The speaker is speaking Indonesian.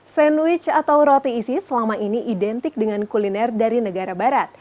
sandwich atau roti isi selama ini identik dengan kuliner dari negara barat